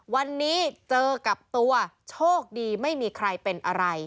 วันนี้เจอกับตัวโชคดีไม่มีใครเป็นอะไร